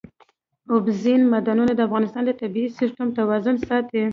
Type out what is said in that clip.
اوبزین معدنونه د افغانستان د طبعي سیسټم توازن ساتي.